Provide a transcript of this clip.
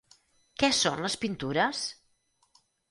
Què són les pintures?